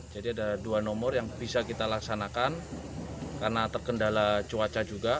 jadi ada dua nomor yang bisa kita laksanakan karena terkendala cuaca juga